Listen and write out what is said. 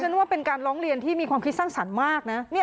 ว่าเป็นการร้องเรียนที่มีความคิดสร้างสรรค์มากนะ